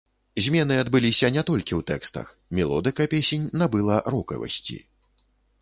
Змены адбыліся не толькі ў тэкстах, мелодыка песень набыла рокавасці.